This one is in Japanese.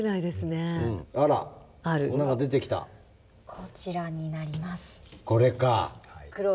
こちらになります。